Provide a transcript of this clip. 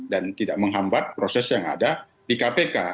dan tidak menghambat proses yang ada di kpk